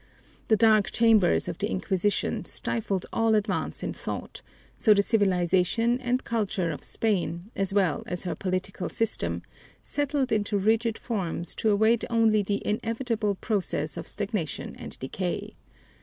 The dark chambers of the Inquisition stifled all advance in thought, so the civilization and the culture of Spain, as well as her political system, settled into rigid forms to await only the inevitable process of stagnation and decay.